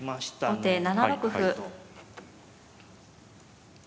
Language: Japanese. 後手７六歩。